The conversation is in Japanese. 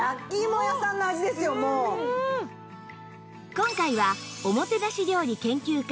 今回はおもてなし料理研究家